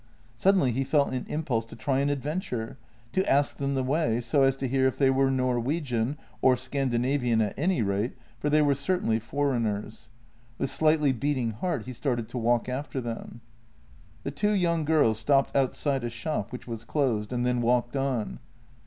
Suddenly he felt an impulse to try an adventure — to ask them the way, so as to hear if they were Norwegian — or Scan dinavian at any rate, for they were certainly foreigners. With slightly beating heart he started to walk after them. The two young girls stopped outside a shop, which was closed, and then walked on.